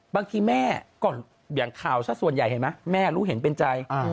บางทีแม่เคาร์ส่วนใหญ่เมื่อรู้เห็นเป็นใจ